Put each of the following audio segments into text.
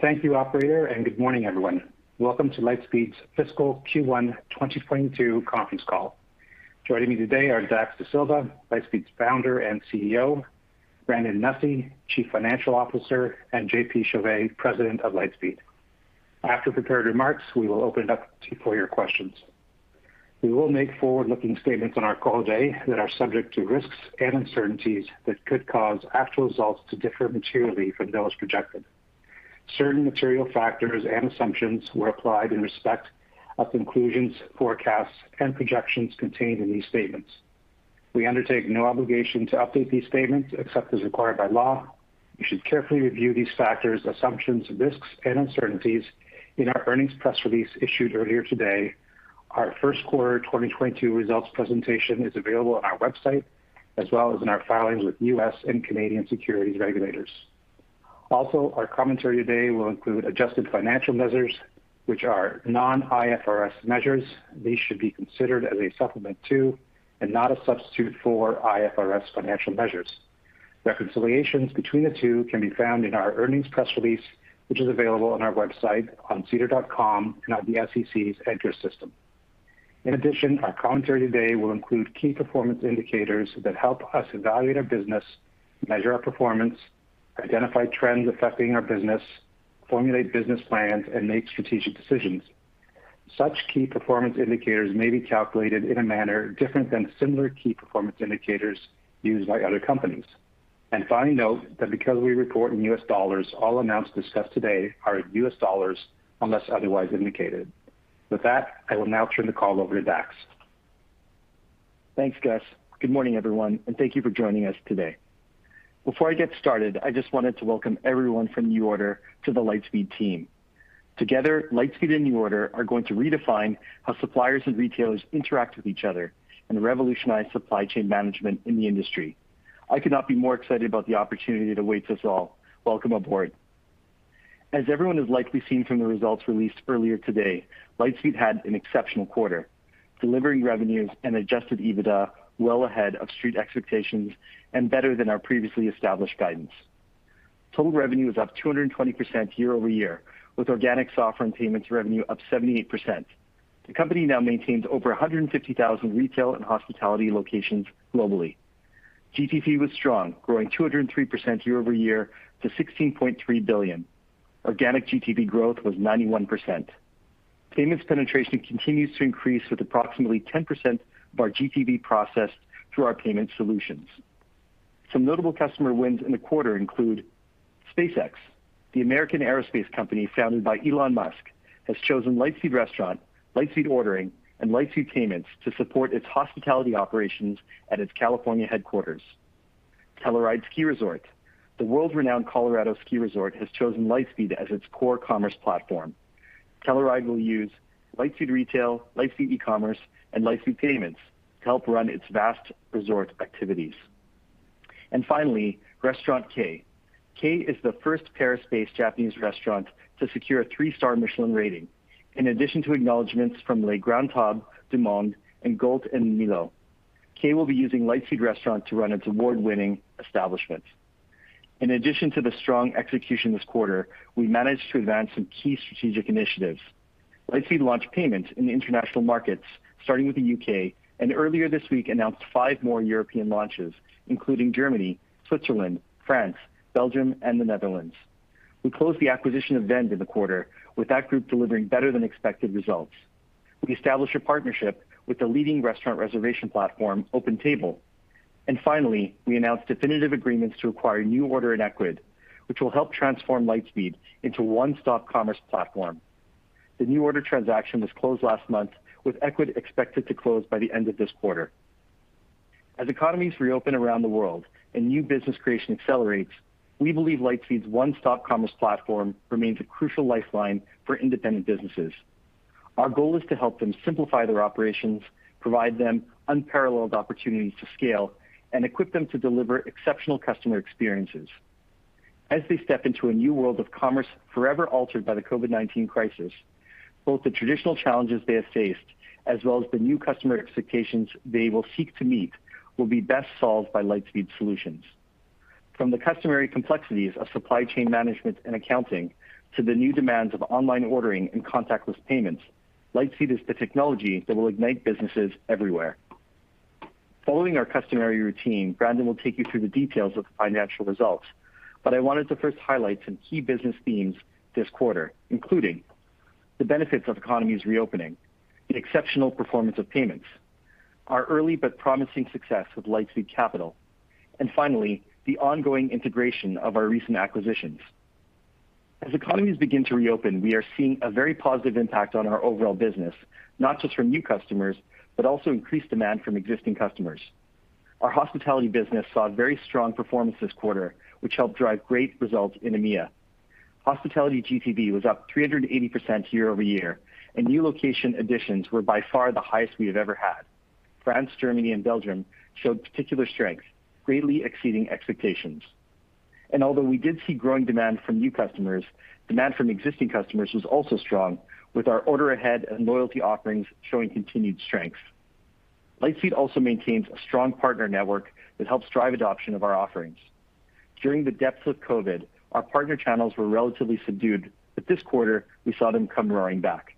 Thank you operator, and good morning, everyone. Welcome to Lightspeed's fiscal Q1 2022 conference call. Joining me today are Dax Dasilva, Lightspeed's Founder and CEO, Brandon Nussey, Chief Financial Officer, and JP Chauvet, President of Lightspeed. After prepared remarks, we will open it up to you for your questions. We will make forward-looking statements on our call today that are subject to risks and uncertainties that could cause actual results to differ materially from those projected. Certain material factors and assumptions were applied in respect of conclusions, forecasts, and projections contained in these statements. We undertake no obligation to update these statements except as required by law. You should carefully review these factors, assumptions, risks, and uncertainties in our earnings press release issued earlier today. Our first quarter 2022 results presentation is available on our website, as well as in our filings with U.S. and Canadian securities regulators. Also, our commentary today will include adjusted financial measures, which are non-IFRS measures. These should be considered as a supplement to, and not a substitute for, IFRS financial measures. Reconciliations between the two can be found in our earnings press release, which is available on our website on SEDAR and on the SEC's EDGAR system. Our commentary today will include key performance indicators that help us evaluate our business, measure our performance, identify trends affecting our business, formulate business plans, and make strategic decisions. Such key performance indicators may be calculated in a manner different than similar key performance indicators used by other companies. Finally, note that because we report in U.S. dollars, all amounts discussed today are in U.S. dollars unless otherwise indicated. With that, I will now turn the call over to Dax. Thanks, Gus. Good morning, everyone, and thank you for joining us today. Before I get started, I just wanted to welcome everyone from NuORDER to the Lightspeed team. Together, Lightspeed and NuORDER are going to redefine how suppliers and retailers interact with each other and revolutionize supply chain management in the industry. I could not be more excited about the opportunity that awaits us all. Welcome aboard. As everyone has likely seen from the results released earlier today, Lightspeed had an exceptional quarter, delivering revenues and adjusted EBITDA well ahead of street expectations and better than our previously established guidance. Total revenue is up 220% year-over-year, with organic software and payments revenue up 78%. The company now maintains over 150,000 retail and hospitality locations globally. GTV was strong, growing 203% year-over-year to $16.3 billion. Organic GTV growth was 91%. Payments penetration continues to increase with approximately 10% of our GTV processed through our payment solutions. Some notable customer wins in the quarter include SpaceX, the American aerospace company founded by Elon Musk, has chosen Lightspeed Restaurant, Lightspeed Ordering, and Lightspeed Payments to support its hospitality operations at its California headquarters. Telluride Ski Resort, the world-renowned Colorado ski resort, has chosen Lightspeed as its core commerce platform. Telluride will use Lightspeed Retail, Lightspeed eCommerce, and Lightspeed Payments to help run its vast resort activities. Finally, Restaurant Kei. Kei is the first Paris-based Japanese restaurant to secure a three-star Michelin rating. In addition to acknowledgments from Les Grandes Tables du Monde and Gault & Millau. Kei will be using Lightspeed Restaurant to run its award-winning establishment. In addition to the strong execution this quarter, we managed to advance some key strategic initiatives. Lightspeed launched payments in the international markets, starting with the U.K. Earlier this week announced five more European launches, including Germany, Switzerland, France, Belgium, and the Netherlands. We closed the acquisition of Vend in the quarter, with that group delivering better than expected results. We established a partnership with the leading restaurant reservation platform, OpenTable. Finally, we announced definitive agreements to acquire NuORDER and Ecwid, which will help transform Lightspeed into a one-stop commerce platform. The NuORDER transaction was closed last month, with Ecwid expected to close by the end of this quarter. As economies reopen around the world and new business creation accelerates, we believe Lightspeed's one-stop commerce platform remains a crucial lifeline for independent businesses. Our goal is to help them simplify their operations, provide them unparalleled opportunities to scale, and equip them to deliver exceptional customer experiences. As they step into a new world of commerce forever altered by the COVID-19 crisis, both the traditional challenges they have faced, as well as the new customer expectations they will seek to meet, will be best solved by Lightspeed solutions. From the customary complexities of supply chain management and accounting to the new demands of online ordering and contactless payments, Lightspeed is the technology that will ignite businesses everywhere. Following our customary routine, Brandon will take you through the details of the financial results. I wanted to first highlight some key business themes this quarter, including the benefits of economies reopening, the exceptional performance of payments, our early but promising success with Lightspeed Capital, and finally, the ongoing integration of our recent acquisitions. As economies begin to reopen, we are seeing a very positive impact on our overall business, not just from new customers, but also increased demand from existing customers. Our hospitality business saw very strong performance this quarter, which helped drive great results in EMEA. Hospitality GTV was up 380% year-over-year, and new location additions were by far the highest we have ever had. France, Germany, and Belgium showed particular strength, greatly exceeding expectations. Although we did see growing demand from new customers, demand from existing customers was also strong, with our order ahead and loyalty offerings showing continued strength. Lightspeed also maintains a strong partner network that helps drive adoption of our offerings. During the depths of COVID, our partner channels were relatively subdued, but this quarter, we saw them come roaring back.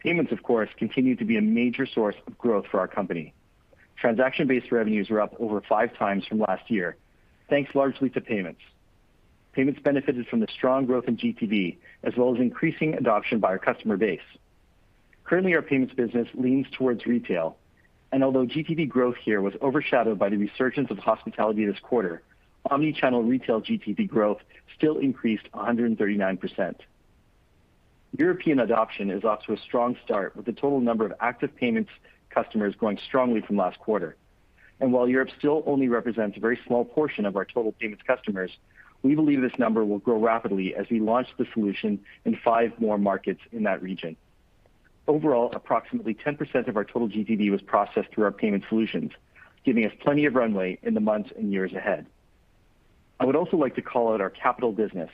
Payments, of course, continue to be a major source of growth for our company. Transaction-based revenues were up over five times from last year, thanks largely to payments. Payments benefited from the strong growth in GPV, as well as increasing adoption by our customer base. Currently, our payments business leans towards retail, and although GPV growth here was overshadowed by the resurgence of hospitality this quarter, omni-channel retail GPV growth still increased 139%. European adoption is off to a strong start with the total number of active payments customers growing strongly from last quarter. While Europe still only represents a very small portion of our total payments customers, we believe this number will grow rapidly as we launch the solution in five more markets in that region. Overall, approximately 10% of our total GPV was processed through our payment solutions, giving us plenty of runway in the months and years ahead. I would also like to call out our capital business.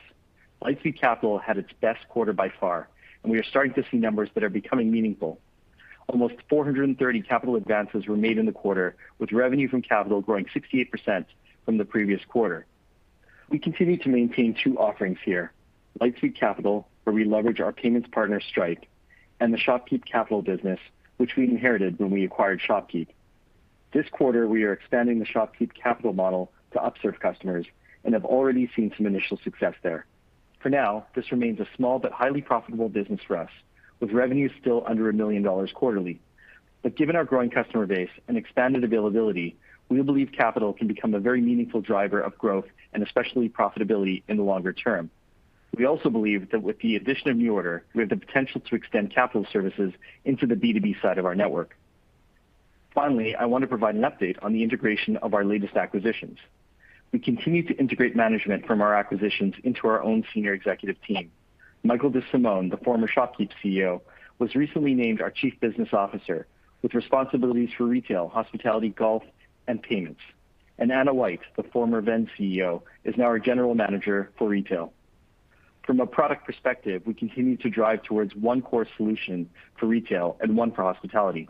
Lightspeed Capital had its best quarter by far, and we are starting to see numbers that are becoming meaningful. Almost 430 capital advances were made in the quarter, with revenue from capital growing 68% from the previous quarter. We continue to maintain two offerings here, Lightspeed Capital, where we leverage our payments partner, Stripe, and the ShopKeep Capital business, which we inherited when we acquired ShopKeep. This quarter, we are expanding the ShopKeep Capital model to Upserve customers and have already seen some initial success there. For now, this remains a small but highly profitable business for us, with revenue still under $1 million quarterly. Given our growing customer base and expanded availability, we believe capital can become a very meaningful driver of growth and especially profitability in the longer term. We also believe that with the addition of NuORDER, we have the potential to extend capital services into the B2B side of our network. I want to provide an update on the integration of our latest acquisitions. We continue to integrate management from our acquisitions into our own senior executive team. Michael DeSimone, the former ShopKeep CEO, was recently named our Chief Business Officer with responsibilities for retail, hospitality, golf, and payments. Ana Wight, the former Vend CEO, is now our General Manager for retail. From a product perspective, we continue to drive towards one core solution for retail and one for hospitality.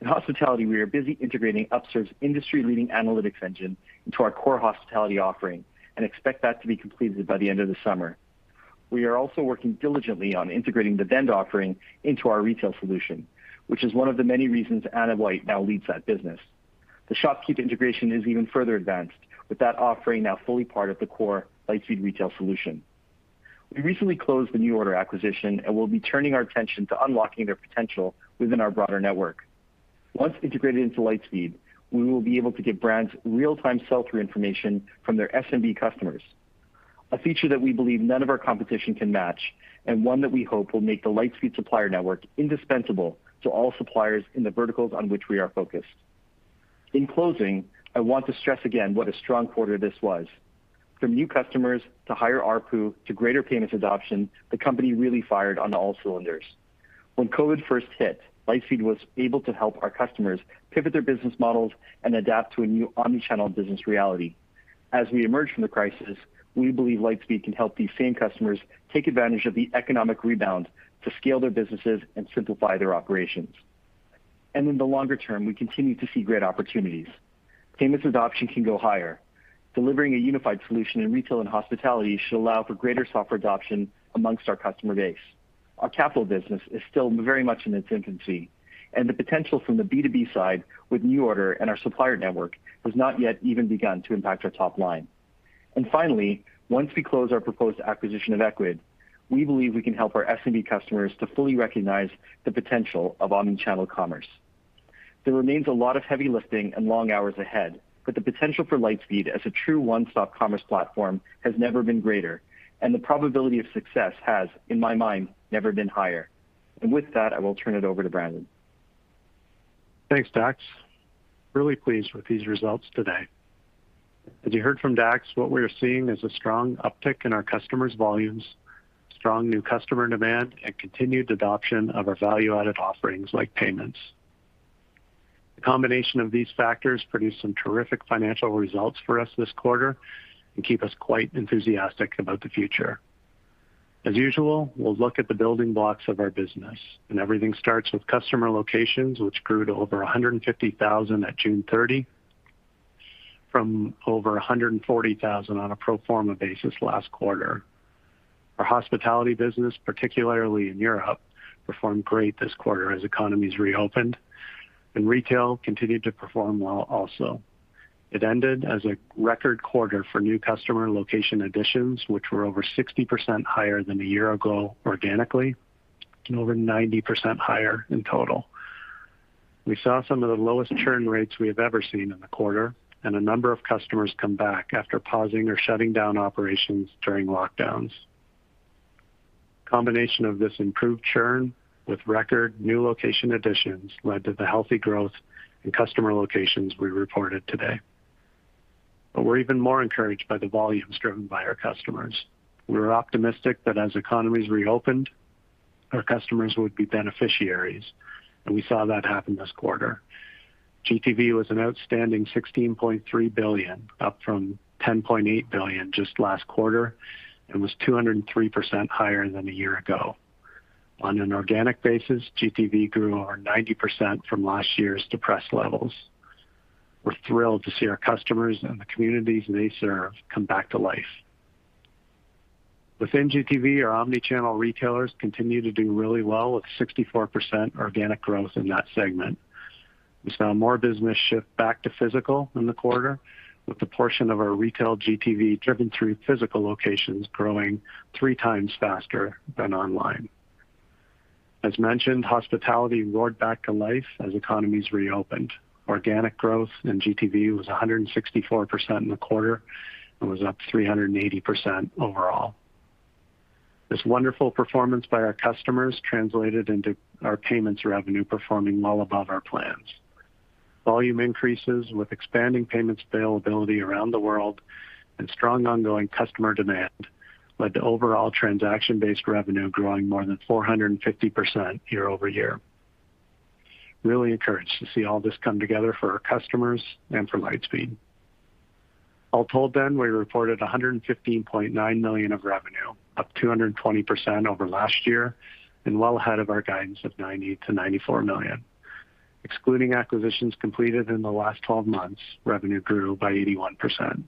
In hospitality, we are busy integrating Upserve's industry-leading analytics engine into our core hospitality offering and expect that to be completed by the end of the summer. We are also working diligently on integrating the Vend offering into our retail solution, which is one of the many reasons Ana Wight now leads that business. The ShopKeep integration is even further advanced, with that offering now fully part of the core Lightspeed Retail solution. We recently closed the NuORDER acquisition and will be turning our attention to unlocking their potential within our broader network. Once integrated into Lightspeed, we will be able to give brands real-time sell-through information from their SMB customers, a feature that we believe none of our competition can match, and one that we hope will make the Lightspeed Supplier Network indispensable to all suppliers in the verticals on which we are focused. In closing, I want to stress again what a strong quarter this was. From new customers to higher ARPU to greater payments adoption, the company really fired on all cylinders. When COVID first hit, Lightspeed was able to help our customers pivot their business models and adapt to a new omni-channel business reality. As we emerge from the crisis, we believe Lightspeed can help these same customers take advantage of the economic rebound to scale their businesses and simplify their operations. In the longer term, we continue to see great opportunities. Payments adoption can go higher. Delivering a unified solution in retail and hospitality should allow for greater software adoption amongst our customer base. Our capital business is still very much in its infancy, and the potential from the B2B side with NuORDER and our supplier network has not yet even begun to impact our top line. Finally, once we close our proposed acquisition of Ecwid, we believe we can help our SMB customers to fully recognize the potential of omni-channel commerce. There remains a lot of heavy lifting and long hours ahead, but the potential for Lightspeed as a true one-stop commerce platform has never been greater, and the probability of success has, in my mind, never been higher. With that, I will turn it over to Brandon. Thanks, Dax. Really pleased with these results today. As you heard from Dax, what we are seeing is a strong uptick in our customers' volumes, strong new customer demand, and continued adoption of our value-added offerings like payments. The combination of these factors produced some terrific financial results for us this quarter and keep us quite enthusiastic about the future. As usual, we'll look at the building blocks of our business, everything starts with customer locations, which grew to over 150,000 at June 30, from over 140,000 on a pro forma basis last quarter. Our hospitality business, particularly in Europe, performed great this quarter as economies reopened, retail continued to perform well also. It ended as a record quarter for new customer location additions, which were over 60% higher than a year ago organically and over 90% higher in total. We saw some of the lowest churn rates we have ever seen in the quarter and a number of customers come back after pausing or shutting down operations during lockdowns. Combination of this improved churn with record new location additions led to the healthy growth in customer locations we reported today. We're even more encouraged by the volumes driven by our customers. We were optimistic that as economies reopened, our customers would be beneficiaries, and we saw that happen this quarter. GTV was an outstanding $16.3 billion, up from $10.8 billion just last quarter, and was 203% higher than a year ago. On an organic basis, GTV grew over 90% from last year's depressed levels. We're thrilled to see our customers and the communities they serve come back to life. Within GTV, our omni-channel retailers continue to do really well, with 64% organic growth in that segment. We saw more business shift back to physical in the quarter, with a portion of our retail GTV driven through physical locations growing three times faster than online. As mentioned, hospitality roared back to life as economies reopened. Organic growth in GTV was 164% in the quarter and was up 380% overall. This wonderful performance by our customers translated into our payments revenue performing well above our plans. Volume increases with expanding payments availability around the world and strong ongoing customer demand led to overall transaction-based revenue growing more than 450% year-over-year. Really encouraged to see all this come together for our customers and for Lightspeed. All told, we reported $115.9 million of revenue, up 220% over last year, and well ahead of our guidance of $90-94 million. Excluding acquisitions completed in the last 12 months, revenue grew by 81%.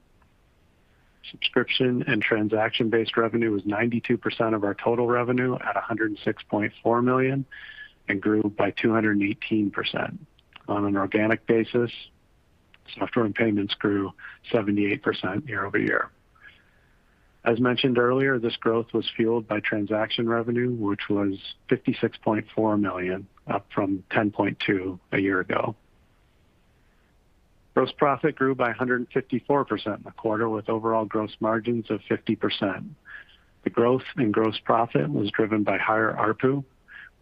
Subscription and transaction-based revenue was 92% of our total revenue at $106.4 million and grew by 218%. On an organic basis, software and payments grew 78% year-over-year. As mentioned earlier, this growth was fueled by transaction revenue, which was $56.4 million, up from $10.2 a year ago. Gross profit grew by 154% in the quarter, with overall gross margins of 50%. The growth in gross profit was driven by higher ARPU,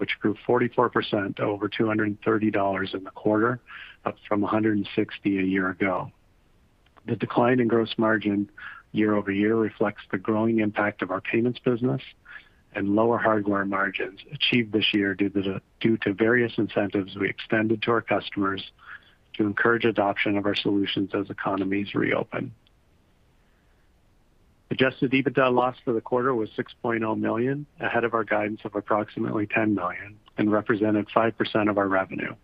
which grew 44% to over $230 in the quarter, up from $160 a year ago. The decline in gross margin year-over-year reflects the growing impact of our payments business and lower hardware margins achieved this year due to various incentives we extended to our customers to encourage adoption of our solutions as economies reopen. Adjusted EBITDA loss for the quarter was $6.0 million, ahead of our guidance of approximately $10 million, and represented 5% of our revenue.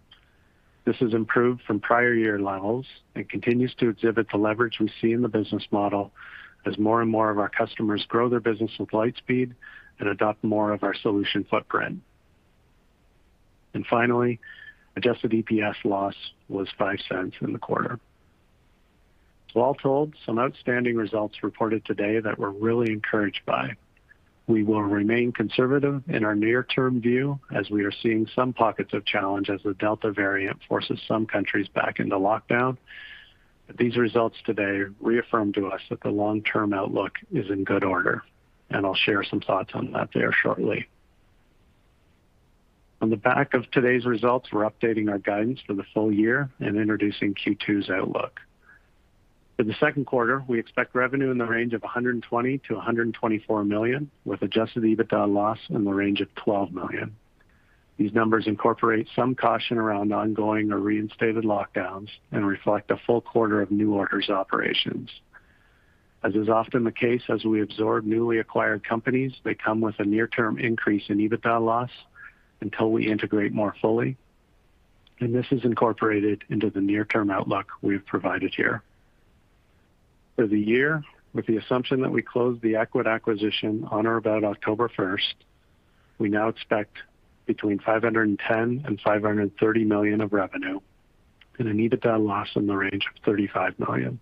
This has improved from prior year levels and continues to exhibit the leverage we see in the business model as more and more of our customers grow their business with Lightspeed and adopt more of our solution footprint. Finally, adjusted EPS loss was $0.05 in the quarter. All told, some outstanding results reported today that we're really encouraged by. We will remain conservative in our near-term view as we are seeing some pockets of challenge as the Delta variant forces some countries back into lockdown. These results today reaffirm to us that the long-term outlook is in good order, and I'll share some thoughts on that there shortly. On the back of today's results, we're updating our guidance for the full-year and introducing Q2's outlook. For the second quarter, we expect revenue in the range of $120-124 million, with adjusted EBITDA loss in the range of $12 million. These numbers incorporate some caution around ongoing or reinstated lockdowns and reflect a full-quarter of NuORDER's operations. As is often the case, as we absorb newly acquired companies, they come with a near-term increase in EBITDA loss until we integrate more fully. This is incorporated into the near-term outlook we've provided here. For the year, with the assumption that we close the Ecwid acquisition on or about October 1st, we now expect between $510 million and $530 million of revenue and an EBITDA loss in the range of $35 million.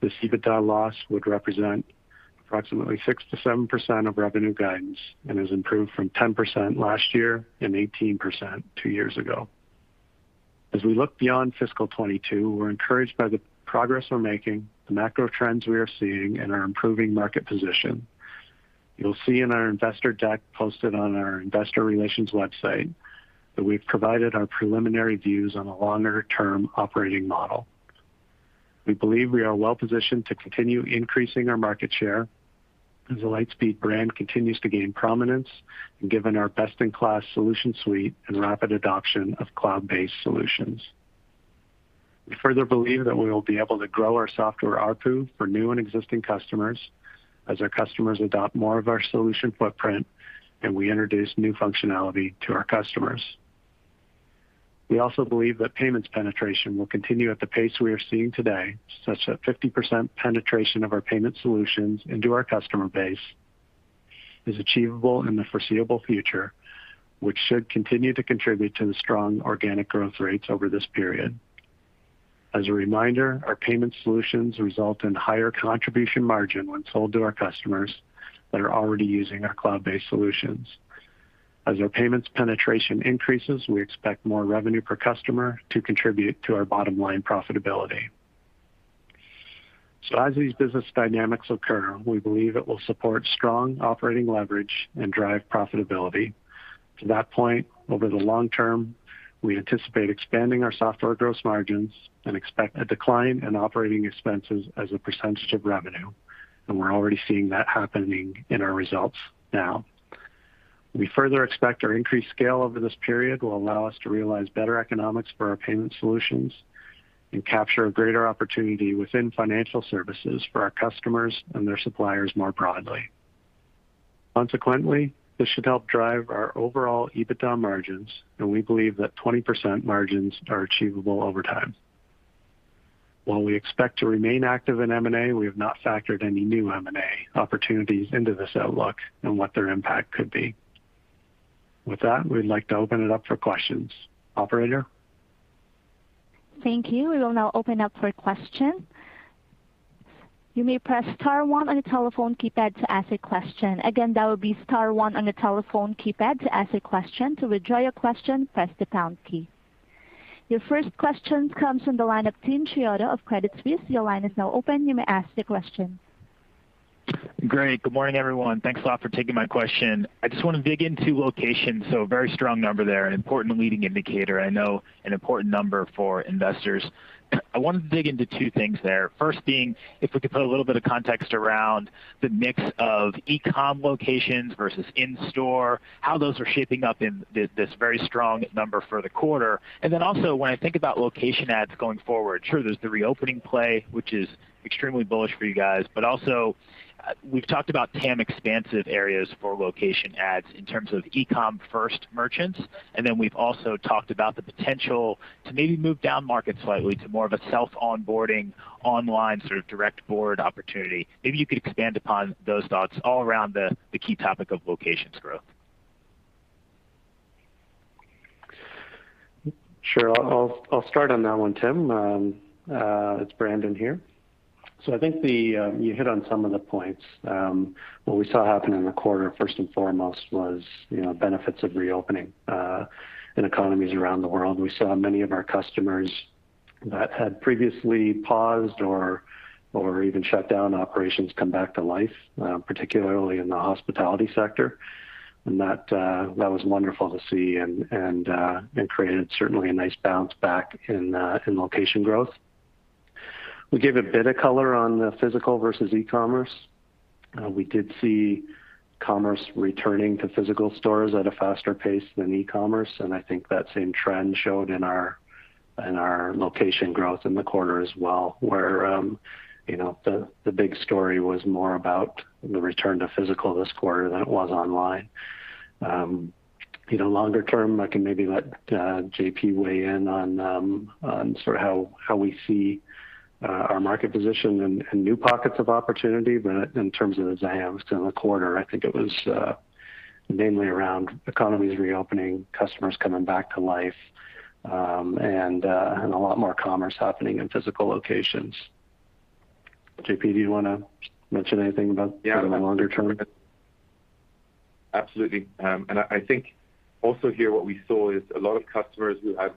This EBITDA loss would represent approximately 6%-7% of revenue guidance and has improved from 10% last year and 18% two years ago. As we look beyond fiscal 2022, we're encouraged by the progress we're making, the macro trends we are seeing, and our improving market position. You'll see in our investor deck posted on our investor relations website that we've provided our preliminary views on a longer-term operating model. We believe we are well positioned to continue increasing our market share as the Lightspeed brand continues to gain prominence and given our best-in-class solution suite and rapid adoption of cloud-based solutions. We further believe that we will be able to grow our software ARPU for new and existing customers as our customers adopt more of our solution footprint and we introduce new functionality to our customers. We also believe that Payments penetration will continue at the pace we are seeing today, such that 50% penetration of our Payment solutions into our customer base is achievable in the foreseeable future, which should continue to contribute to the strong organic growth rates over this period. As a reminder, our Payment solutions result in higher contribution margin when sold to our customers that are already using our cloud-based solutions. As our Payments penetration increases, we expect more revenue per customer to contribute to our bottom-line profitability. As these business dynamics occur, we believe it will support strong operating leverage and drive profitability. To that point, over the long term, we anticipate expanding our software gross margins and expect a decline in operating expenses as a percentage of revenue, and we're already seeing that happening in our results now. We further expect our increased scale over this period will allow us to realize better economics for our payment solutions and capture a greater opportunity within financial services for our customers and their suppliers more broadly. Consequently, this should help drive our overall EBITDA margins, and we believe that 20% margins are achievable over time. While we expect to remain active in M&A, we have not factored any new M&A opportunities into this outlook and what their impact could be. With that, we'd like to open it up for questions. Operator? Thank you. We will now open up for questions. Your first question comes from the line of Timothy Chiodo of Credit Suisse. Great. Good morning, everyone. Thanks a lot for taking my question. I just want to dig into locations. A very strong number there, an important leading indicator. I know an important number for investors. I wanted to dig into two things there. First being, if we could put a little bit of context around the mix of e-com locations versus in-store, how those are shaping up in this very strong number for the quarter. When I think about location ads going forward, sure, there's the reopening play, which is extremely bullish for you guys, but also, we've talked about TAM expansive areas for location ads in terms of e-com first merchants. We've also talked about the potential to maybe move down market slightly to more of a self-onboarding, online sort of direct board opportunity. Maybe you could expand upon those thoughts all around the key topic of locations growth. Sure. I'll start on that one, Tim. It's Brandon here. I think you hit on some of the points. What we saw happen in the quarter, first and foremost, was benefits of reopening in economies around the world. We saw many of our customers that had previously paused or even shut down operations come back to life, particularly in the hospitality sector, and that was wonderful to see and created certainly a nice bounce back in location growth. We gave a bit of color on the physical versus e-commerce. We did see commerce returning to physical stores at a faster pace than e-commerce, and I think that same trend showed in our location growth in the quarter as well, where the big story was more about the return to physical this quarter than it was online. Longer term, I can maybe let JP weigh in on sort of how we see our market position and new pockets of opportunity, but in terms of the themes in the quarter, I think it was mainly around economies reopening, customers coming back to life, and a lot more commerce happening in physical locations. JP, do you want to mention anything about the longer term? Absolutely. I think also here what we saw is a lot of customers who had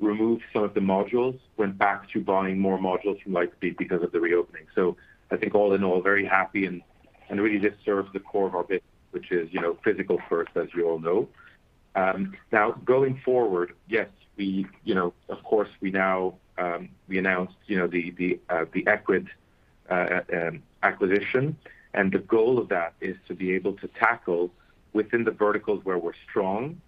removed some of the modules went back to buying more modules from Lightspeed because of the reopening. I think all in all, very happy and really this serves the core of our business, which is physical first, as we all know. Now, going forward, yes, of course, we announced the Ecwid acquisition, and the goal of that is to be able to tackle within the verticals where we're strong,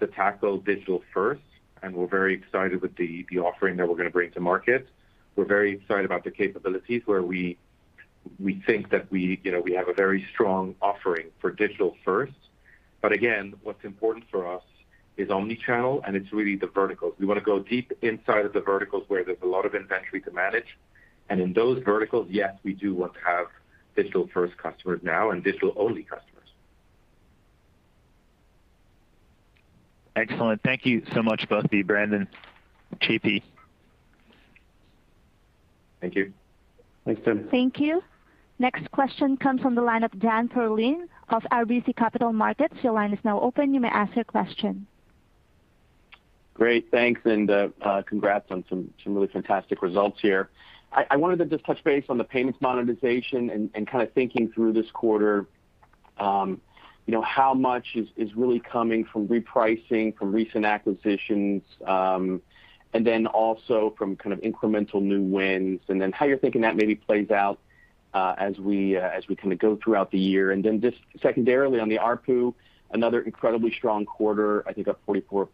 to tackle digital first, and we're very excited with the offering that we're going to bring to market. We're very excited about the capabilities where we think that we have a very strong offering for digital first. Again, what's important for us is omni-channel, and it's really the verticals. We want to go deep inside of the verticals where there's a lot of inventory to manage. In those verticals, yes, we do want to have digital-first customers now and digital-only customers. Excellent. Thank you so much, both of you, Brandon, JP Thank you. Thanks, Tim. Thank you. Next question comes from the line of Dan Perlin of RBC Capital Markets. Your line is now open. You may ask your question. Great. Thanks and congrats on some really fantastic results here. I wanted to just touch base on the payments monetization and kind of thinking through this quarter. How much is really coming from repricing from recent acquisitions, and then also from kind of incremental new wins, and then how you're thinking that maybe plays out as we kind of go throughout the year. Just secondarily on the ARPU, another incredibly strong quarter, I think up 44%.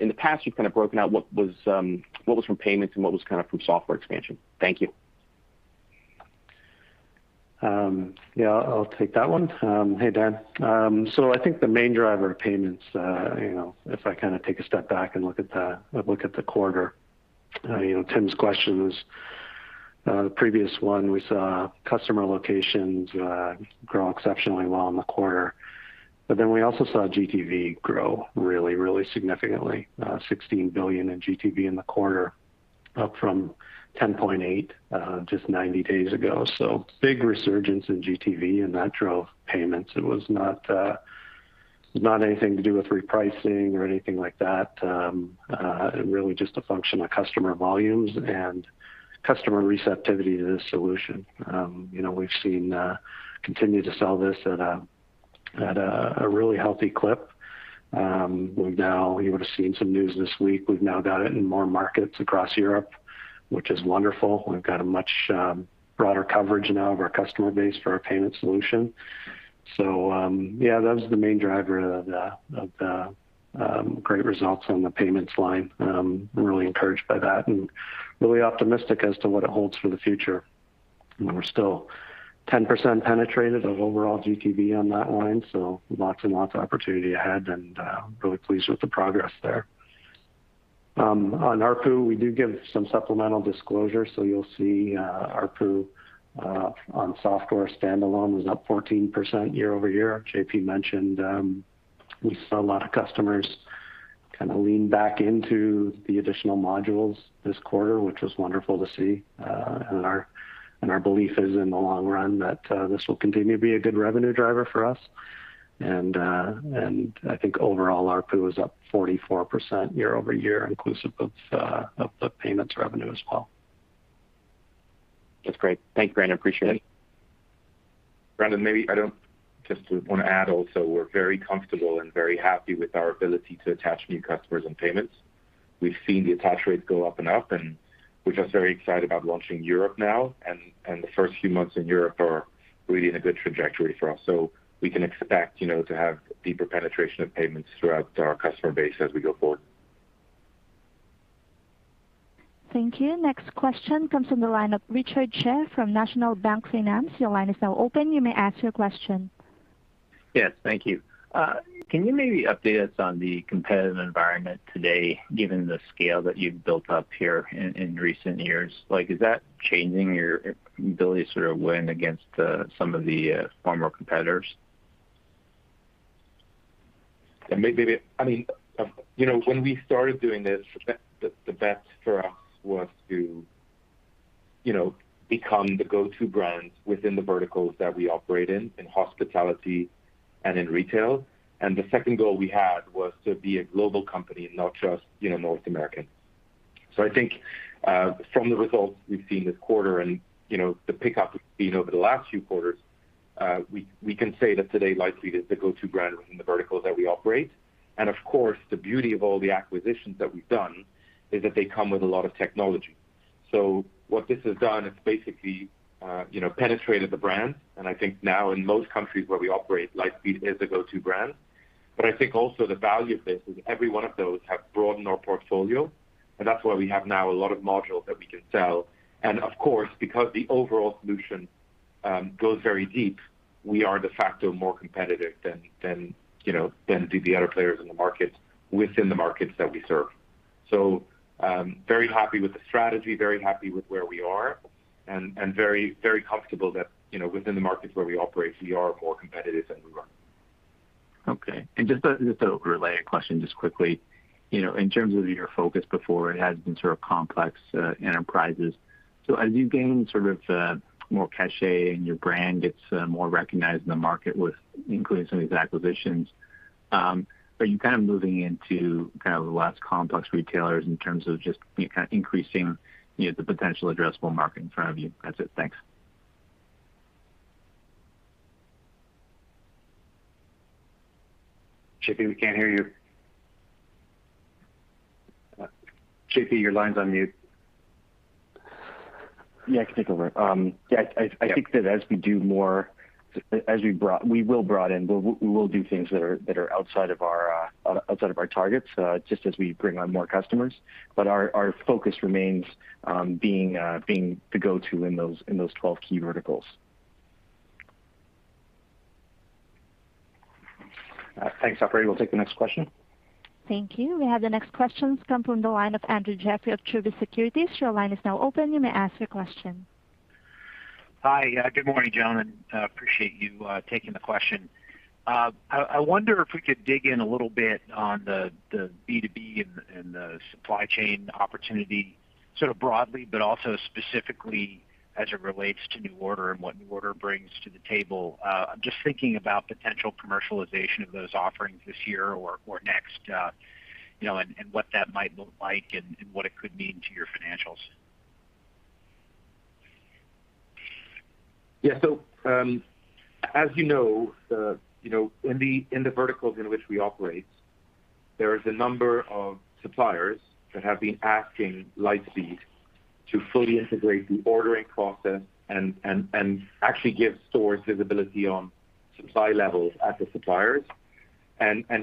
In the past, you've kind of broken out what was from payments and what was kind of from software expansion. Thank you. Yeah, I'll take that one. Hey, Dan. I think the main driver of payments, if I kind of take a step back and look at the quarter. Tim's question was the previous one. We saw customer locations grow exceptionally well in the quarter. We also saw GTV grow significantly. $16 billion in GTV in the quarter, up from $10.8 billion just 90 days ago. Big resurgence in GTV, and that drove payments. It was not anything to do with repricing or anything like that. Really just a function of customer volumes and customer receptivity to the solution. We've seen continue to sell this at a really healthy clip. We've now, you would've seen some news this week, we've now got it in more markets across Europe, which is wonderful. We've got a much broader coverage now of our customer base for our payments solution. Yeah, that was the main driver of the great results on the payments line. I'm really encouraged by that, and really optimistic as to what it holds for the future. We're still 10% penetrated of overall GTV on that line, so lots and lots of opportunity ahead and really pleased with the progress there. On ARPU, we do give some supplemental disclosure. You'll see ARPU on software standalone was up 14% year-over-year. JP mentioned, we saw a lot of customers kind of lean back into the additional modules this quarter, which was wonderful to see. Our belief is in the long run that this will continue to be a good revenue driver for us. I think overall ARPU was up 44% year-over-year inclusive of the payments revenue as well. That's great. Thanks, Brandon, appreciate it. Brandon, maybe Just to want to add also, we're very comfortable and very happy with our ability to attach new customers and payments. We've seen the attach rates go up and up. We're just very excited about launching Europe now. The first few months in Europe are really in a good trajectory for us. We can expect to have deeper penetration of payments throughout our customer base as we go forward. Thank you. Next question comes from the line of Richard Tse from National Bank Financial. Yes. Thank you. Can you maybe update us on the competitive environment today, given the scale that you've built up here in recent years? Is that changing your ability to sort of win against some of the former competitors? Yeah, maybe. When we started doing this, the bet for us was to become the go-to brand within the verticals that we operate in hospitality and in retail. The second goal we had was to be a global company and not just North American. I think, from the results we've seen this quarter and the pickup we've seen over the last few quarters, we can say that today Lightspeed is the go-to brand within the verticals that we operate. Of course, the beauty of all the acquisitions that we've done is that they come with a lot of technology. What this has done is basically penetrated the brand, and I think now in most countries where we operate, Lightspeed is the go-to brand. I think also the value of this is every one of those have broadened our portfolio, and that's why we have now a lot of modules that we can sell. Of course, because the overall solution goes very deep, we are de facto more competitive than the other players in the market within the markets that we serve. Very happy with the strategy, very happy with where we are, and very comfortable that within the markets where we operate, we are more competitive than we were. Okay. Just to overlay a question just quickly. In terms of your focus before, it has been sort of complex enterprises. As you gain sort of more cachet and your brand gets more recognized in the market with including some of these acquisitions, are you kind of moving into kind of the less complex retailers in terms of just you kind of increasing the potential addressable market in front of you? That's it. Thanks. JP, we can't hear you. JP, your line's on mute. Yeah, I can take over. Yeah, I think that as we do more, we will broaden, we will do things that are outside of our targets, just as we bring on more customers. Our focus remains being the go-to in those 12 key verticals. Thanks, operator. We'll take the next question. Thank you. We have the next question come from the line of Andrew Jeffrey of Truist Securities. Your line is now open. You may ask your question. Hi. Good morning, gentlemen. Appreciate you taking the question. I wonder if we could dig in a little bit on the B2B and the supply chain opportunity sort of broadly, but also specifically as it relates to NuORDER and what NuORDER brings to the table. I'm just thinking about potential commercialization of those offerings this year or next, and what that might look like, and what it could mean to your financials. As you know, in the verticals in which we operate, there is a number of suppliers that have been asking Lightspeed to fully integrate the ordering process and actually give stores visibility on supply levels at the suppliers.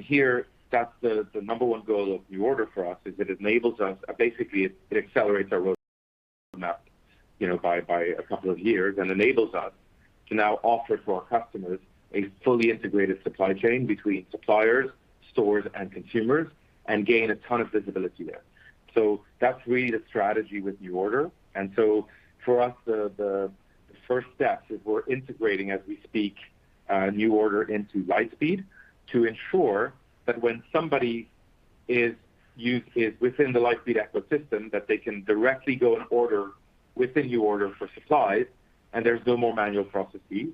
Here, that's the number one goal of NuORDER for us, is it enables us, basically it accelerates our roadmap by two years and enables us to now offer to our customers a fully integrated supply chain between suppliers, stores, and consumers, and gain a ton of visibility there. That's really the strategy with NuORDER. For us, the first steps is we're integrating, as we speak, NuORDER into Lightspeed to ensure that when somebody is within the Lightspeed ecosystem, that they can directly go and order within NuORDER for supplies, and there's no more manual processes.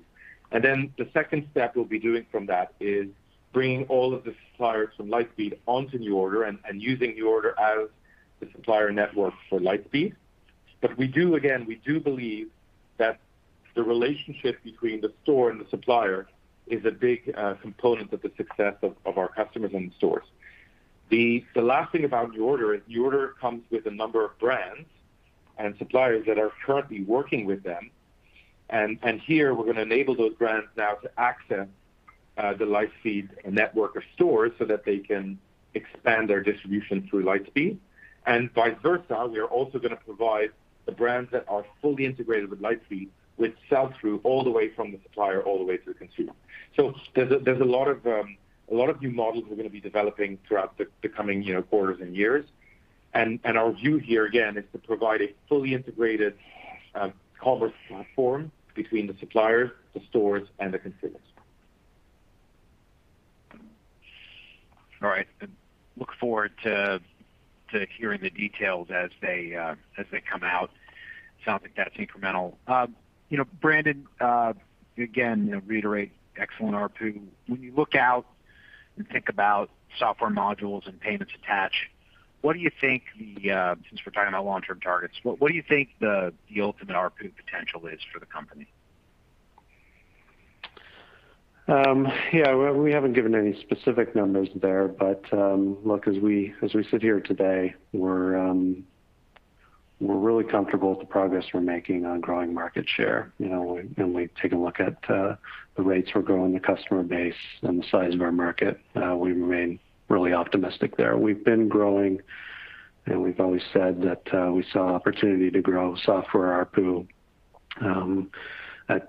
The second step we'll be doing from that is bringing all of the suppliers from Lightspeed onto NuORDER and using NuORDER as the supplier network for Lightspeed. We do believe that the relationship between the store and the supplier is a big component of the success of our customers and the stores. The last thing about NuORDER is NuORDER comes with a number of brands and suppliers that are currently working with them. Here we're going to enable those brands now to access the Lightspeed network of stores so that they can expand their distribution through Lightspeed. Vice versa, we are also going to provide the brands that are fully integrated with Lightspeed, which sell through all the way from the supplier all the way to the consumer. There's a lot of new models we're going to be developing throughout the coming quarters and years. Our view here, again, is to provide a fully integrated commerce platform between the suppliers, the stores, and the consumers. All right. Look forward to hearing the details as they come out. Sounds like that's incremental. Brandon, again, reiterate excellent ARPU. When you look out and think about software modules and payments attach, since we're talking about long-term targets, what do you think the ultimate ARPU potential is for the company? We haven't given any specific numbers there, but look, as we sit here today, we're really comfortable with the progress we're making on growing market share. When we take a look at the rates we're growing the customer base and the size of our market, we remain really optimistic there. We've been growing, and we've always said that we saw opportunity to grow software ARPU at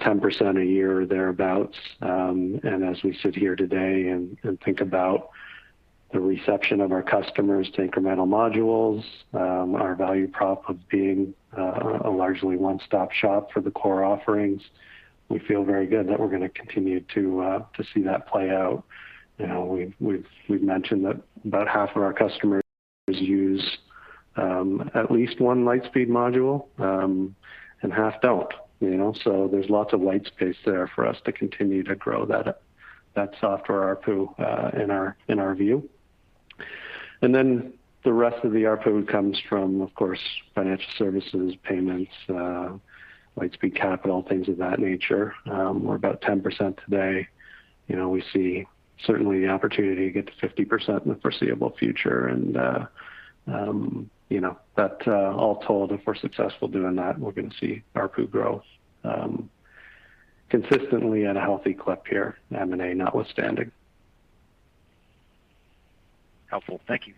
10% a year or thereabout. As we sit here today and think about the reception of our customers to incremental modules, our value prop of being a largely one-stop shop for the core offerings, we feel very good that we're going to continue to see that play out. We've mentioned that about half of our customers use at least one Lightspeed module, and half don't. There's lots of white space there for us to continue to grow that software ARPU in our view. The rest of the ARPU comes from, of course, financial services, payments, Lightspeed Capital, things of that nature. We're about 10% today. We see certainly the opportunity to get to 50% in the foreseeable future. That all told, if we're successful doing that, we're going to see ARPU grow consistently at a healthy clip here, M&A notwithstanding. Helpful. Thank you.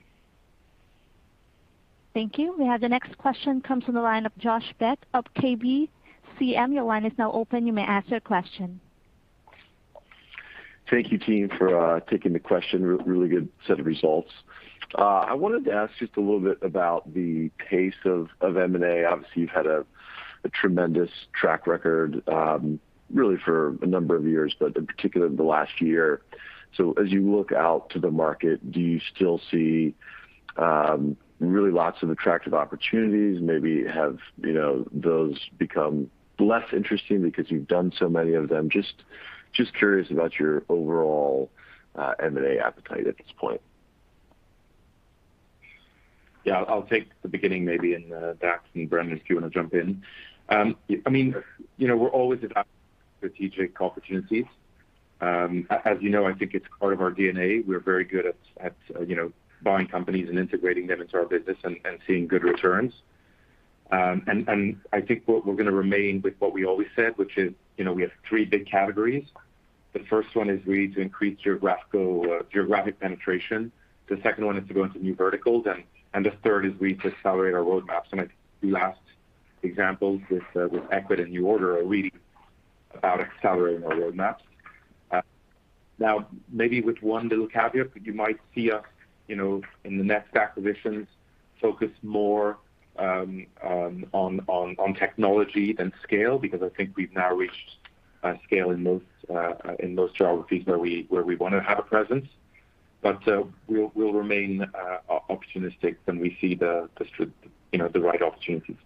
Thank you. The next question comes from the line of Josh Beck of KBCM. Your line is now open. You may ask your question. Thank you, team, for taking the question. Really good set of results. I wanted to ask just a little bit about the pace of M&A. Obviously, you've had a tremendous track record, really for a number of years, but in particular the last year. As you look out to the market, do you still see really lots of attractive opportunities? Maybe have those become less interesting because you've done so many of them? Just curious about your overall M&A appetite at this point. Yeah, I'll take the beginning, maybe, and Dax and Brandon, if you want to jump in. We're always about strategic opportunities. As you know, I think it's part of our DNA. We're very good at buying companies and integrating them into our business and seeing good returns. I think what we're going to remain with what we always said, which is, we have three big categories. The first one is we need to increase geographic penetration. The second one is to go into new verticals, and the third is we need to accelerate our roadmaps. I think the last examples with Ecwid and NuORDER are really about accelerating our roadmaps. Now, maybe with one little caveat, you might see us, in the next acquisitions, focus more on technology than scale, because I think we've now reached scale in those geographies where we want to have a presence. We'll remain opportunistic when we see the right opportunities.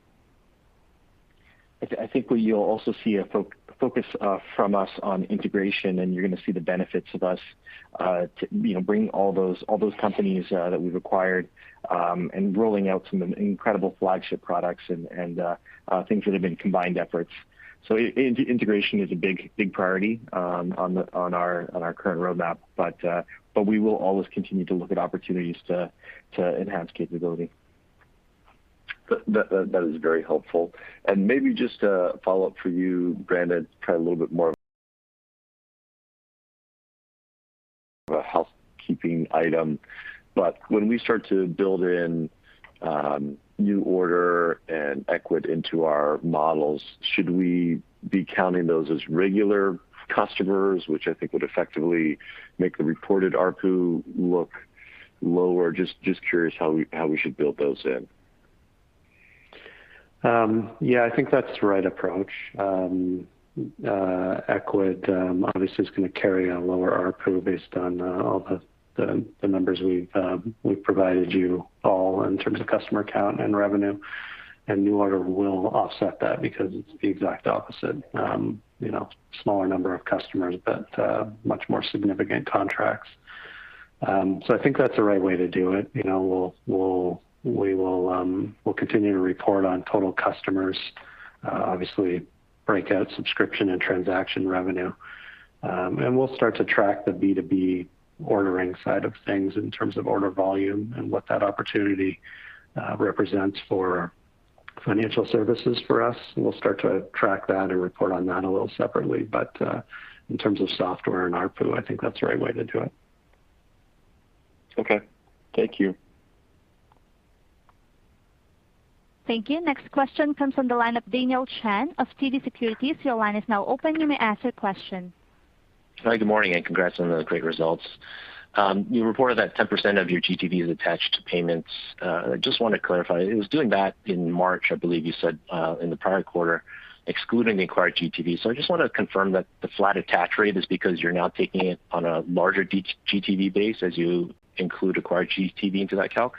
I think what you'll also see a focus from us on integration, and you're going to see the benefits of us bringing all those companies that we've acquired, and rolling out some incredible flagship products and things that have been combined efforts. Integration is a big priority on our current roadmap. We will always continue to look at opportunities to enhance capability. That is very helpful. Maybe just a follow-up for you, Brandon, kind of a little bit more of a housekeeping item. When we start to build in NuORDER and Ecwid into our models, should we be counting those as regular customers, which I think would effectively make the reported ARPU look lower? Just curious how we should build those in. I think that's the right approach. Ecwid obviously is going to carry a lower ARPU based on all the numbers we've provided you all in terms of customer count and revenue. NuORDER will offset that because it's the exact opposite. Smaller number of customers, but much more significant contracts. I think that's the right way to do it. We'll continue to report on total customers, obviously break out subscription and transaction revenue. We'll start to track the B2B ordering side of things in terms of order volume and what that opportunity represents for financial services for us, and we'll start to track that and report on that a little separately. In terms of software and ARPU, I think that's the right way to do it. Okay. Thank you. Thank you. Next question comes from the line of Daniel Chen of TD Securities. Your line is now open, you may ask your question. Hi, good morning. Congrats on the great results. You reported that 10% of your GTV is attached to payments. I just want to clarify, it was doing that in March, I believe you said, in the prior quarter, excluding the acquired GTV. I just want to confirm that the flat attach rate is because you're now taking it on a larger GTV base as you include acquired GTV into that calc?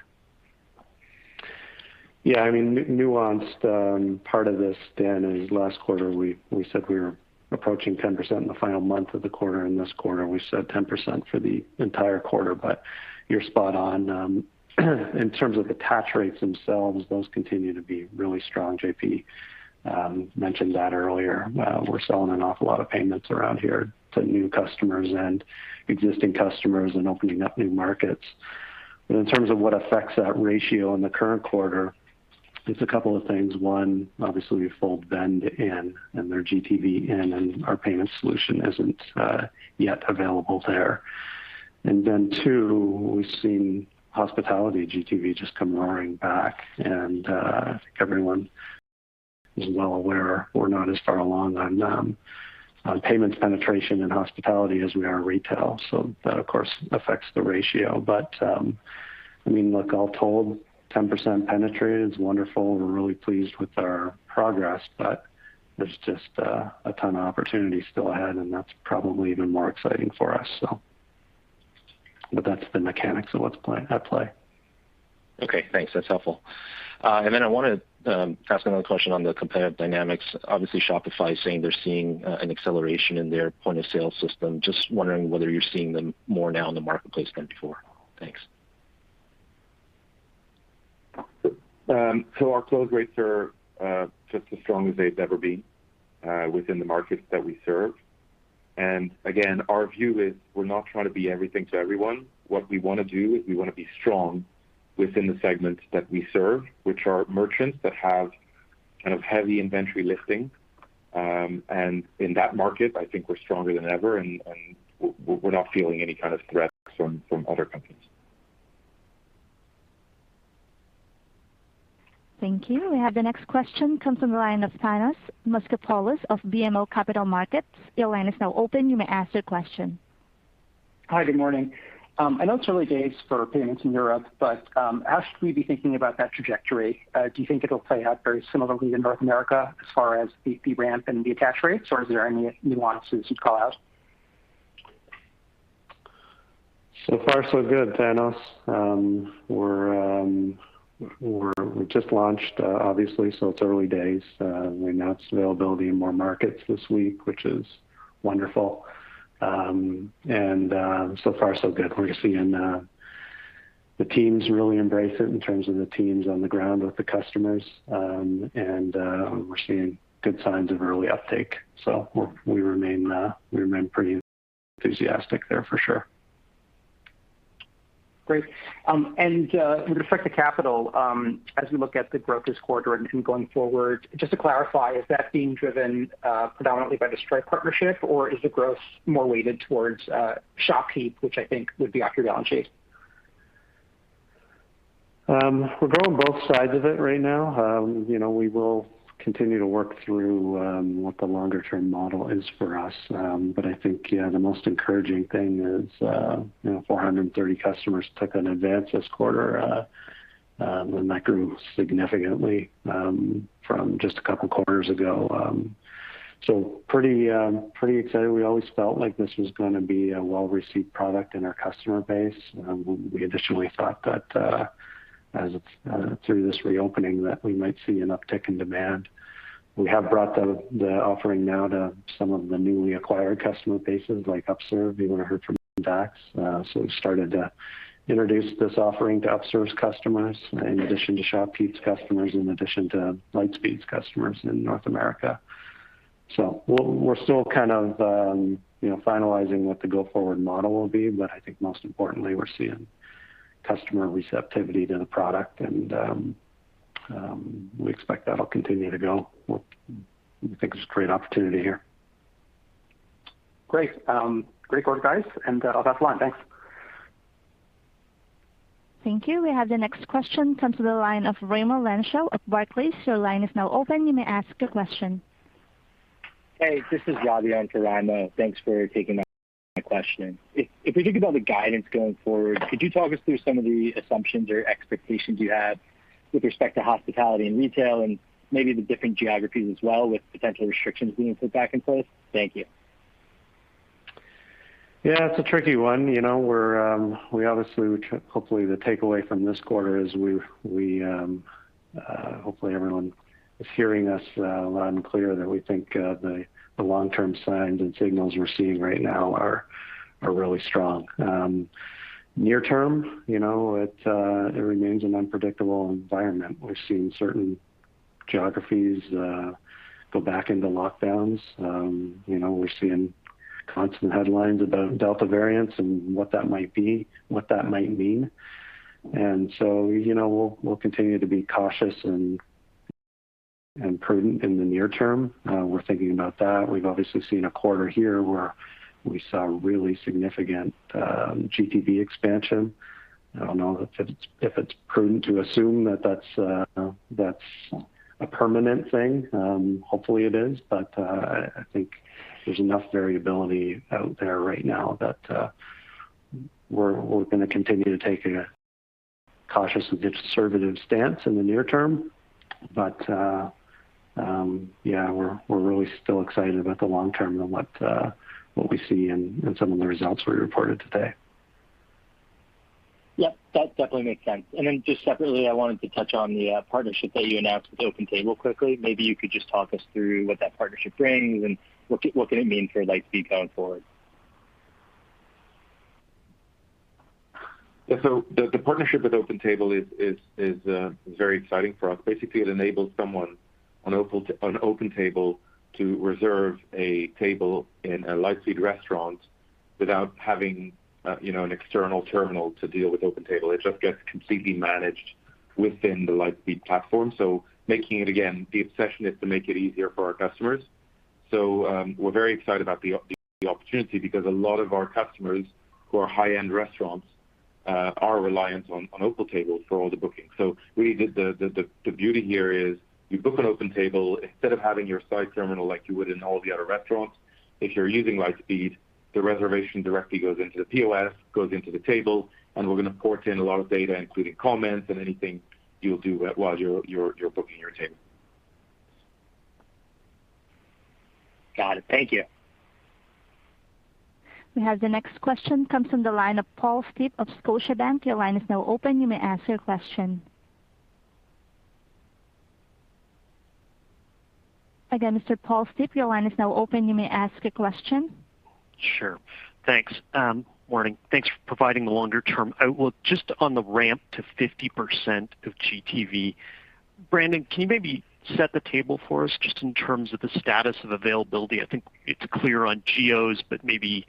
Yeah, nuanced part of this, Dan, is last quarter we said we were approaching 10% in the final month of the quarter. In this quarter, we said 10% for the entire quarter. You're spot on in terms of attach rates themselves, those continue to be really strong. JP mentioned that earlier. We're selling an awful lot of payments around here to new customers and existing customers and opening up new markets. In terms of what affects that ratio in the current quarter, it's a couple of things. One, obviously we fold Vend in and their GTV in, and our payment solution isn't yet available there. Two, we've seen hospitality GTV just come roaring back, and I think everyone is well aware we're not as far along on payment penetration in hospitality as we are in retail. That, of course, affects the ratio. Look, all told, 10% penetrated is wonderful. We're really pleased with our progress, but there's just a ton of opportunity still ahead, and that's probably even more exciting for us. That's the mechanics of what's at play. Okay, thanks. That's helpful. I want to ask another question on the competitive dynamics. Obviously Shopify is saying they're seeing an acceleration in their point-of-sale system. Just wondering whether you're seeing them more now in the marketplace than before. Thanks. Our close rates are just as strong as they've ever been within the markets that we serve. Again, our view is we're not trying to be everything to everyone. What we want to do is we want to be strong within the segments that we serve, which are merchants that have heavy inventory listings. In that market, I think we're stronger than ever and we're not feeling any kind of threats from other companies. Thank you. We have the next question comes from the line of Thanos Moschopoulos of BMO Capital Markets. Hi, good morning. I know it's early days for payments in Europe, but as we be thinking about that trajectory, do you think it'll play out very similarly in North America as far as the ramp and the attach rates, or is there any nuances you'd call out? So far so good, Thanos. We just launched, obviously, so it's early days. We announced availability in more markets this week, which is wonderful. Far so good. We're seeing the teams really embrace it in terms of the teams on the ground with the customers. We're seeing good signs of early uptake. We remain pretty enthusiastic there for sure. Great. With respect to capital, as we look at the growth this quarter and going forward, just to clarify, is that being driven predominantly by the Stripe partnership or is the growth more weighted towards ShopKeep, which I think would be after Valentine? We're going both sides of it right now. We will continue to work through what the longer-term model is for us. I think the most encouraging thing is 430 customers took an advance this quarter, and that grew significantly from just a couple of quarters ago. Pretty excited. We always felt like this was going to be a well-received product in our customer base. We additionally thought that through this reopening, that we might see an uptick in demand. We have brought the offering now to some of the newly acquired customer bases like Upserve. You would've heard from Dax. We've started to introduce this offering to Upserve's customers in addition to ShopKeep's customers, in addition to Lightspeed's customers in North America. We're still finalizing what the go-forward model will be. I think most importantly, we're seeing customer receptivity to the product, and we expect that'll continue to go. We think there's a great opportunity here. Great. Great quarter, guys, and that's all. Thanks. Thank you. We have the next question come to the line of Raimo Lenschow of Barclays. Hey, this is Ravian for Raimo. Thanks for taking my question. If we think about the guidance going forward, could you talk us through some of the assumptions or expectations you have with respect to hospitality and retail and maybe the different geographies as well with potential restrictions being put back in place? Thank you. Yeah, it's a tricky one. Hopefully the takeaway from this quarter is hopefully everyone is hearing us loud and clear that we think the long-term signs and signals we're seeing right now are really strong. Near term, it remains an unpredictable environment. We've seen certain geographies go back into lockdowns. We're seeing constant headlines about Delta variants and what that might be, what that might mean. We'll continue to be cautious and prudent in the near term. We're thinking about that. We've obviously seen a quarter here where we saw really significant GTV expansion. I don't know if it's prudent to assume that that's a permanent thing. Hopefully it is, I think there's enough variability out there right now that we're going to continue to take a cautious and conservative stance in the near term. Yeah, we're really still excited about the long term and what we see in some of the results we reported today. Yep. That definitely makes sense. Just separately, I wanted to touch on the partnership that you announced with OpenTable quickly. Maybe you could just talk us through what that partnership brings, and what can it mean for Lightspeed going forward? The partnership with OpenTable is very exciting for us. Basically, it enables someone on OpenTable to reserve a table in a Lightspeed Restaurant without having an external terminal to deal with OpenTable. It just gets completely managed within the Lightspeed platform. Making it, again, the obsession is to make it easier for our customers. We're very excited about the opportunity because a lot of our customers who are high-end restaurants, are reliant on OpenTable for all the bookings. The beauty here is you book an OpenTable, instead of having your side terminal like you would in all the other restaurants, if you're using Lightspeed, the reservation directly goes into the POS, goes into the table, and we're going to port in a lot of data, including comments and anything you'll do while you're booking your table. Got it. Thank you. We have the next question comes from the line of Paul Treiber of Scotiabank. Your line is now open. You may ask your question. Again, Mr. Paul Treiber, your line is now open. You may ask a question. Sure. Thanks. Morning. Thanks for providing the longer term outlook. Just on the ramp to 50% of GTV, Brandon, can you maybe set the table for us just in terms of the status of availability? I think it's clear on geos, but maybe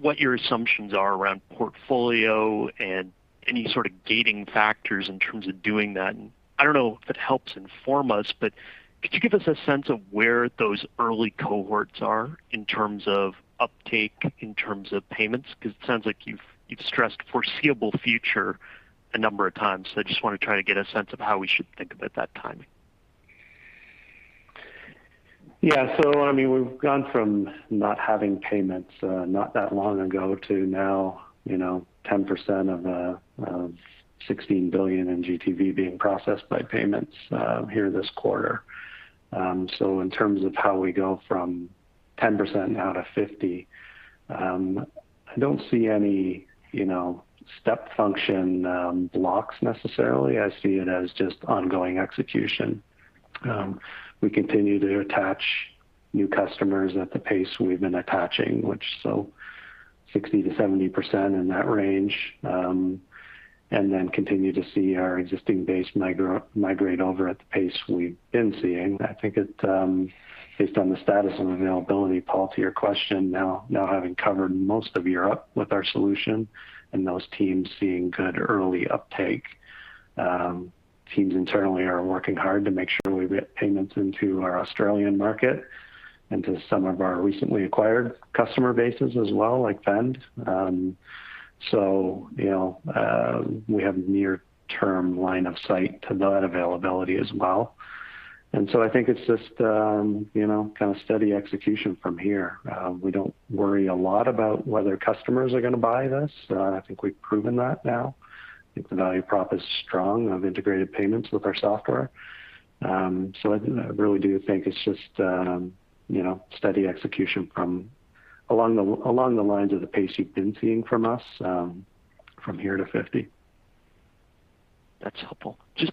what your assumptions are around portfolio and any sort of gating factors in terms of doing that. I don't know if it helps inform us, but could you give us a sense of where those early cohorts are in terms of uptake, in terms of payments? Because it sounds like you've stressed foreseeable future a number of times. I just want to try to get a sense of how we should think about that timing. Yeah. We've gone from not having payments not that long ago to now 10% of $16 billion in GTV being processed by payments here this quarter. In terms of how we go from 10% now to 50%, I don't see any step function blocks necessarily. I see it as just ongoing execution. We continue to attach new customers at the pace we've been attaching, which, 60%-70% in that range, and then continue to see our existing base migrate over at the pace we've been seeing. I think it, based on the status of availability, Paul, to your question, now having covered most of Europe with our solution and those teams seeing good early uptake, teams internally are working hard to make sure we get payments into our Australian market and to some of our recently acquired customer bases as well, like Vend. We have near term line of sight to that availability as well. I think it's just kind of steady execution from here. We don't worry a lot about whether customers are going to buy this. I think we've proven that now. I think the value prop is strong of integrated payments with our software. I really do think it's just steady execution from along the lines of the pace you've been seeing from us, from here to 50. That's helpful. Just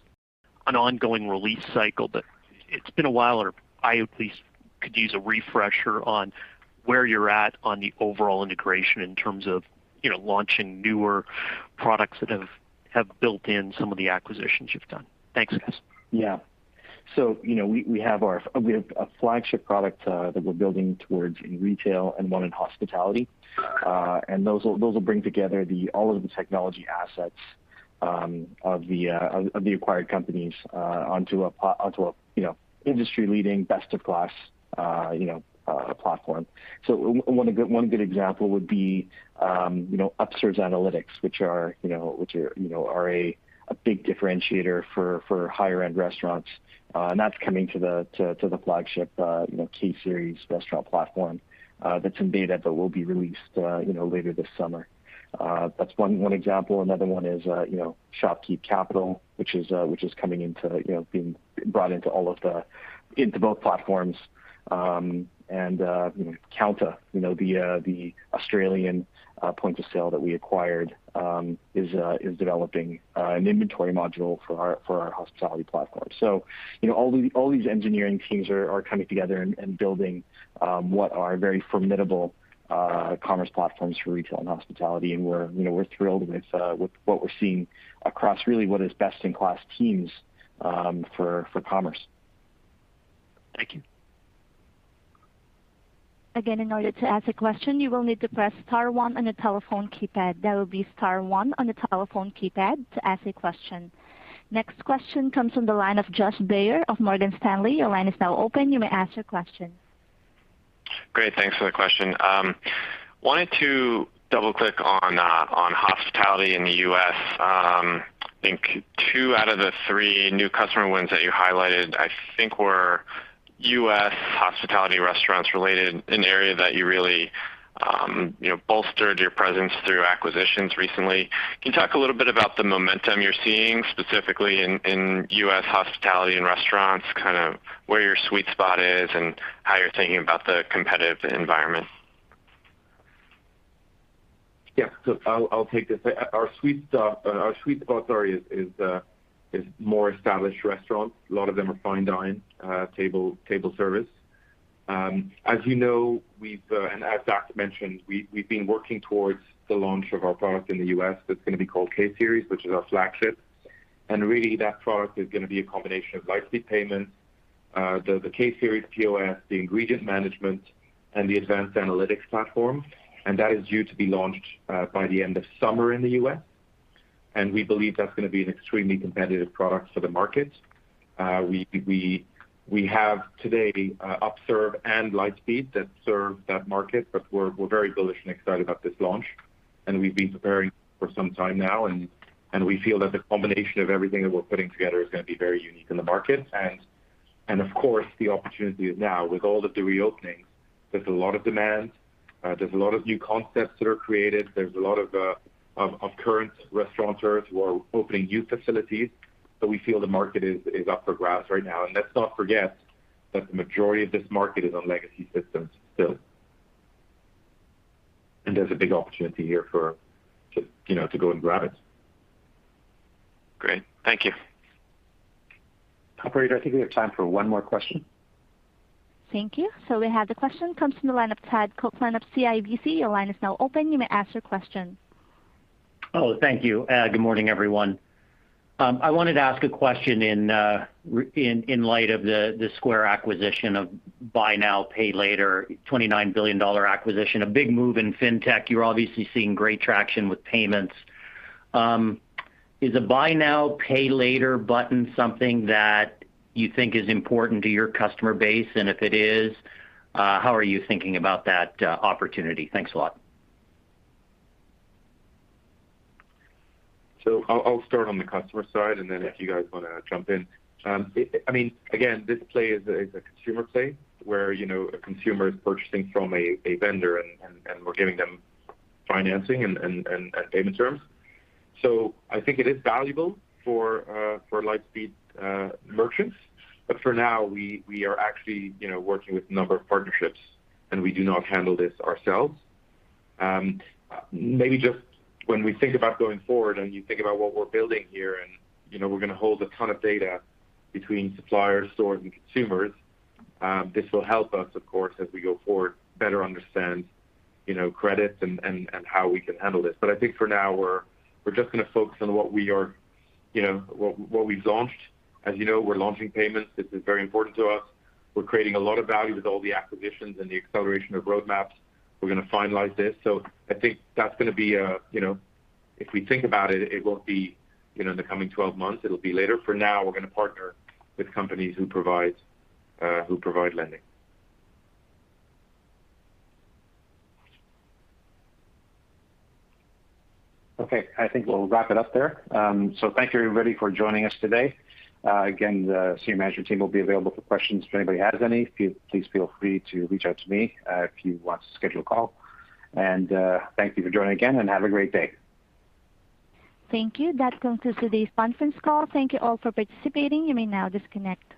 an ongoing release cycle, but it's been a while, or I at least could use a refresher on where you're at on the overall integration in terms of launching newer products that have built in some of the acquisitions you've done. Thanks, guys. We have a flagship product, that we're building towards in retail and one in hospitality. Those will bring together all of the technology assets of the acquired companies onto a industry-leading, best-of-class platform. One good example would be Upserve Analytics, which are a big differentiator for higher-end restaurants. That's coming to the flagship K-Series restaurant platform. That's in beta, but will be released later this summer. That's one example. Another one is ShopKeep Capital, which is coming into being brought into both platforms. Kounta, the Australian point of sale that we acquired, is developing an inventory module for our hospitality platform. All these engineering teams are coming together and building what are very formidable commerce platforms for retail and hospitality. We're thrilled with what we're seeing across really what is best-in-class teams for commerce. Thank you. In order to ask a question, you will need to press star one on your telephone keypad. That will be star one on the telephone keypad to ask a question. Next question comes from the line of Josh Baer of Morgan Stanley. Your line is now open. You may ask your question. Great. Thanks for the question. Wanted to double-click on hospitality in the U.S. I think two out of the three new customer wins that you highlighted, I think, were U.S. hospitality restaurants related, an area that you really bolstered your presence through acquisitions recently. Can you talk a little bit about the momentum you're seeing specifically in U.S. hospitality and restaurants, kind of where your sweet spot is, and how you're thinking about the competitive environment? I'll take this. Our sweet spot is more established restaurants. A lot of them are fine dining, table service. As you know, and as Dax mentioned, we've been working towards the launch of our product in the U.S. that's going to be called K-Series, which is our flagship. Really, that product is going to be a combination of Lightspeed Payments, the K-Series POS, the ingredient management, and the advanced analytics platform, and that is due to be launched by the end of summer in the U.S. We believe that's going to be an extremely competitive product for the market. We have today Upserve and Lightspeed that serve that market. We're very bullish and excited about this launch. We've been preparing for some time now. We feel that the combination of everything that we're putting together is going to be very unique in the market. Of course, the opportunity is now. With all of the reopening, there's a lot of demand. There's a lot of new concepts that are created. There's a lot of current restaurateurs who are opening new facilities. We feel the market is up for grabs right now. Let's not forget that the majority of this market is on legacy systems still. There's a big opportunity here to go and grab it. Great. Thank you. Operator, I think we have time for one more question. Thank you. We have the question comes from the line of Todd Coupland of CIBC. Oh, thank you. Good morning, everyone. I wanted to ask a question in light of the Square acquisition of buy now, pay later, a $29 billion acquisition, a big move in fintech. You're obviously seeing great traction with payments. Is a buy now, pay later button something that you think is important to your customer base? If it is, how are you thinking about that opportunity? Thanks a lot. I'll start on the customer side, and then if you guys want to jump in. Again, this play is a consumer play where a consumer is purchasing from a vendor, and we're giving them financing and payment terms. I think it is valuable for Lightspeed merchants. For now, we are actually working with a number of partnerships, and we do not handle this ourselves. Maybe just when we think about going forward and you think about what we're building here, and we're going to hold a ton of data between suppliers, stores, and consumers. This will help us, of course, as we go forward, better understand credits and how we can handle this. I think for now, we're just going to focus on what we've launched. As you know, we're launching payments. This is very important to us. We're creating a lot of value with all the acquisitions and the acceleration of roadmaps. We're going to finalize this. If we think about it won't be in the coming 12 months. It'll be later. For now, we're going to partner with companies who provide lending. Okay. I think we'll wrap it up there. Thank you, everybody, for joining us today. Again, the senior management team will be available for questions if anybody has any. Please feel free to reach out to me if you want to schedule a call. Thank you for joining again, and have a great day. Thank you. That concludes today's conference call. Thank you all for participating. You may now disconnect.